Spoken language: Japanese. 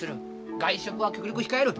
外食は極力控える。